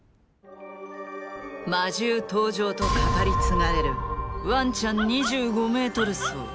魔獣登場と語り継がれるワンちゃん２５Ｍ走。